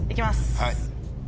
はい。